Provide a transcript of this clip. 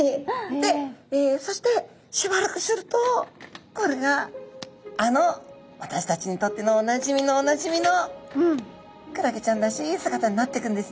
でそしてしばらくするとこれがあの私たちにとってのおなじみのおなじみのクラゲちゃんらしい姿になっていくんですね。